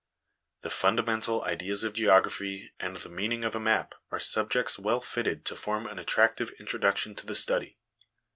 The fundamental ideas of geography and the meaning of a map are subjects well fitted to form an attractive introduction to the study.